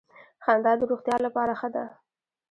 خندا د روغتیا لپاره ښه ده